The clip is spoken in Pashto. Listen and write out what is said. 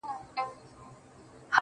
د يويشتمي پېړۍ شپه ده او څه ستا ياد دی.